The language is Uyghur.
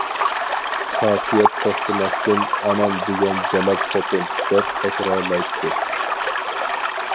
خاسىيەت توختىماستىن« ئانام دېگەن جالاپ خوتۇن» دەپ تەكرارلايتتى.